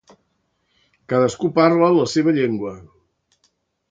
Cadascú parla la seva llengua.